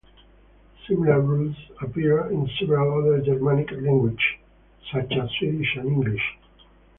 Similar rules appear in several other Germanic languages, such as Swedish and English.